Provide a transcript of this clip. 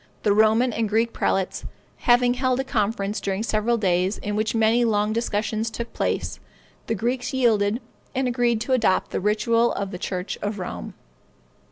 The Roman and Greek prelates having held a conference during several days, in which many long discussions took place, the Greeks yielded, and agreed to adopt the ritual of the church of Rome.